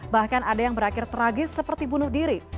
bahkan ada yang berakhir tragis seperti bunuh diri